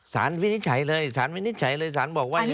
ศาลวินิจฉัยเลยศาลวินิจฉัยเลยศาลบอกว่าไง